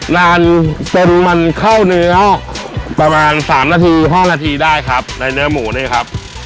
นานเต็มมันเข้าเนื้อประมาณ๓๕นาทีได้ครับในเนื้อหมูนี่ฮะ